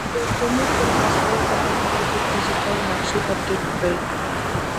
رئیس جمهور خپلو عسکرو ته امر وکړ؛ ډیجیټل نقشې اپډېټ کړئ!